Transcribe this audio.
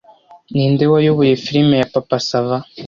Ninde wayoboye film ya papa sava